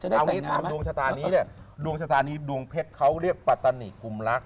เอางี้ถามดวงชะตานี้เนี่ยดวงชะตานี้ดวงเพชรเขาเรียกปัตตานิกุมรัก